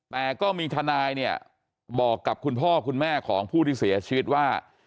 แต่ก็มีทนายเนี่ยบอกกับคุณพ่อคุณแม่ของผู้ที่เสียชีวิตว่า